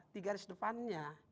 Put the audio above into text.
di garis depannya